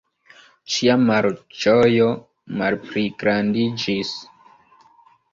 Ŝia malĝojo malpligrandiĝis.